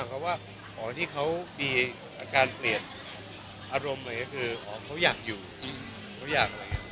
เขามีอาการเปลี่ยนอารมณ์อะไรอย่างนี้คือเขาอยากอยู่เขาอยากอะไรอย่างนี้